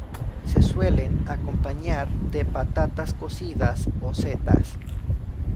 Se suelen acompañar de patatas cocidas o setas.